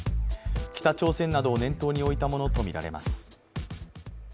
北朝鮮などを念頭に置いたものとみられます。